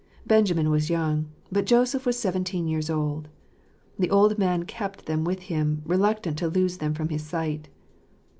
Benjamin was young; but Joseph was seven teen years old. The old man kept them with him, reluctant to lose them from his sight.